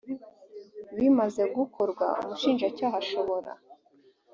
bimaze gukorwa umushinjacyaha ashobora